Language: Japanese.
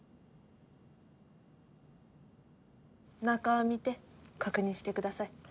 中見て確認してください。